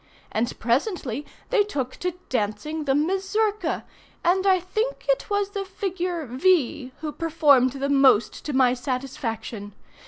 And presently they took to dancing the Mazurka, and I think it was the figure V. who performed the most to my satisfaction.